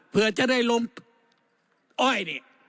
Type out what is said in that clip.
เพื่อจะได้ลงอ้อยนี่